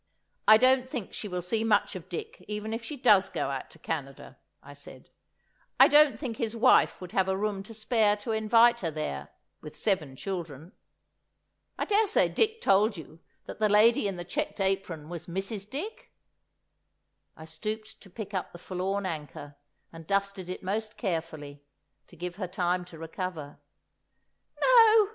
"I don't think she will see much of Dick even if she does go out to Canada," I said; "I don't think his wife would have a room to spare to invite her there—with seven children. I daresay Dick told you that the lady in the checked apron was Mrs. Dick?" I stooped to pick up the forlorn anchor, and dusted it most carefully, to give her time to recover. "No!"